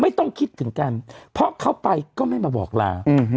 ไม่ต้องคิดถึงกันเพราะเขาไปก็ไม่มาบอกลา